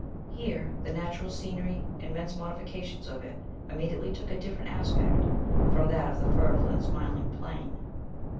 Here, the natural scenery and men's modifications of it immediately took a different aspect from that of the fertile and smiling plain.